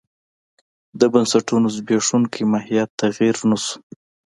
د بنسټونو زبېښونکی ماهیت تغیر نه شو.